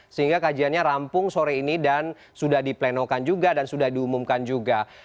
sehingga kajiannya rampung sore ini dan sudah diplenokan juga dan sudah diumumkan juga